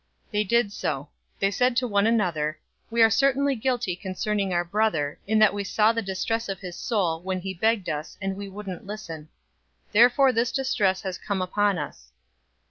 They did so. 042:021 They said one to another, "We are certainly guilty concerning our brother, in that we saw the distress of his soul, when he begged us, and we wouldn't listen. Therefore this distress has come upon us."